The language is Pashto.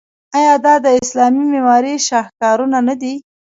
آیا دا د اسلامي معمارۍ شاهکارونه نه دي؟